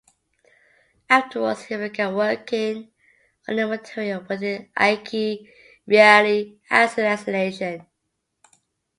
Afterwards, he began working on new material with the Ike Reilly Assassination.